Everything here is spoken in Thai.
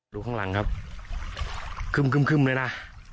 ข้างหลังครับคึ่มเลยนะ